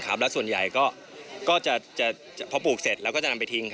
แล้วส่วนใหญ่ก็จะพอปลูกเสร็จแล้วก็จะนำไปทิ้ง